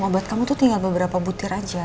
obat kamu itu tinggal beberapa butir aja